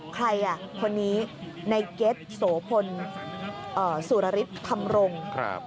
ใครอ่ะคนนี้ในเก็ตโสพนศุรริษฐรรมรงค์